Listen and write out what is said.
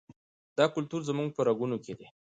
دا کلتور زموږ په رګونو کې دی.